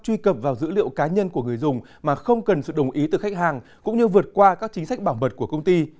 truy cập vào dữ liệu cá nhân của người dùng mà không cần sự đồng ý từ khách hàng cũng như vượt qua các chính sách bảo mật của công ty